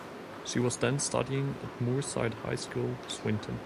She was then studying at Moorside High School, Swinton.